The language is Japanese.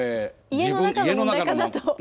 家の中の問題かなと。